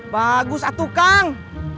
bagus atuh kang